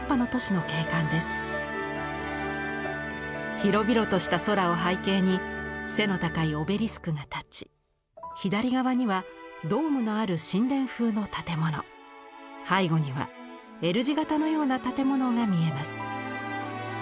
広々とした空を背景に背の高いオベリスクが立ち左側にはドームのある神殿風の建物背後にはＬ字型のような建物が見えます。